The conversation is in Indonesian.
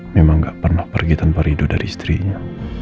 memang tidak pernah pergi tanpa rido dari istrinya